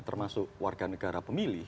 termasuk warga negara